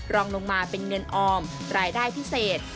รองลงมาเป็นเงินออมรายได้พิเศษ